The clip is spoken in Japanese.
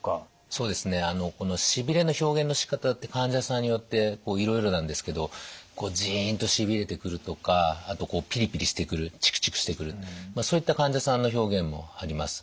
そうですねこのしびれの表現のしかたって患者さんによっていろいろなんですけどジンとしびれてくるとかあとこうピリピリしてくるチクチクしてくるそういった患者さんの表現もあります。